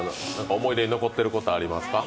思い出に残ってることありますか？